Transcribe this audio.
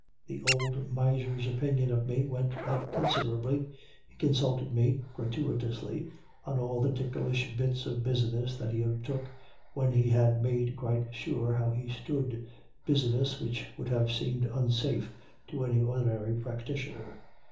The old miser's opinion of me went up considerably. He consulted me (gratuitously) on all the ticklish bits of business which he undertook when he had made quite sure how he stood, business which would have seemed unsafe to any ordinary practitioner.